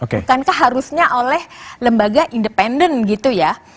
bukankah harusnya oleh lembaga independen gitu ya